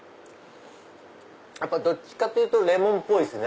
どっちかというとレモンっぽいっすね